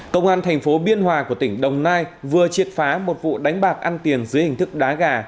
công an thành phố biên hòa của tỉnh đồng nai vừa triệt phá một vụ đánh bạc ăn tiền dưới hình thức đá gà